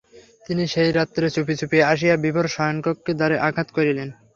তিনি সেই রাত্রে চুপি চুপি আসিয়া বিভার শয়নকক্ষের দ্বারে আঘাত করিলেন।